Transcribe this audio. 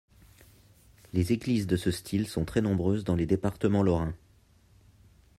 Les églises de ce style sont très nombreuses dans les départements lorrains.